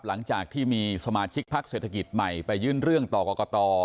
หลังจากที่มีสมาชิกพักเศรษฐกิจใหม่ไปยื่นเรื่องต่อกรกต